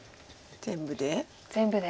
全部で？